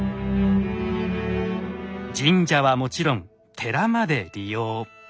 神社はもちろん寺まで利用。